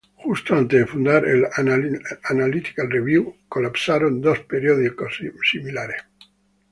Justo antes de fundar el "Analytical Review", dos periódicos con similares colapsaron.